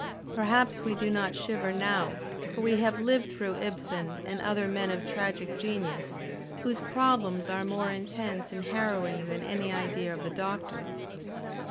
Perhaps we do not shiver now; for we have lived through Ibsen and other men of tragic genius, whose "problems" are more intense and harrowing than any idea of the Doctor's.